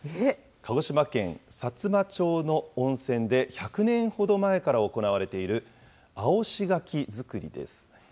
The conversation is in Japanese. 鹿児島県さつま町の温泉で、１００年ほど前から行われている、あおし柿作りです。